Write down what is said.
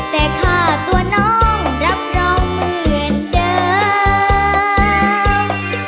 แต่ค่าตัวน้องรับรองเหมือนเดิม